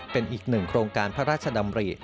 เป็นอีกหนึ่งโครงการพระราชดำริ